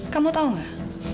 kamu tahu gak